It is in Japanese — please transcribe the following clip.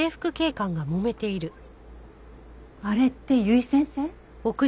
あれって由井先生？